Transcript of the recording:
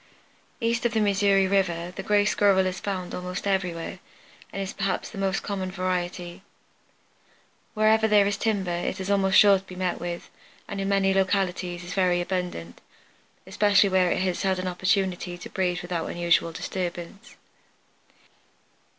East of the Missouri River the Gray Squirrel is found almost everywhere, and is perhaps the most common variety. Wherever there is timber it is almost sure to be met with, and in many localities is very abundant, especially where it has had an opportunity to breed without unusual disturbance.